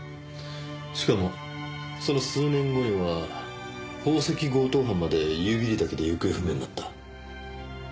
しかもその数年後には宝石強盗犯まで夕霧岳で行方不明になった。